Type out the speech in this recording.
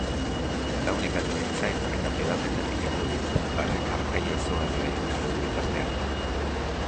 Belaunikatu egin zait eta belaunetatik heldu dit, barre-karkaila izugarria egiten duen bitartean.